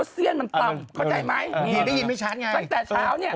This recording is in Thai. สว่างแต่เช้านี้